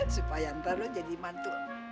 supaya ntar lo jadi mantul